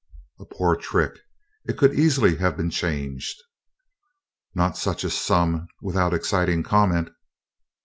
"A poor trick; it could easily have been changed." "Not such a sum without exciting comment."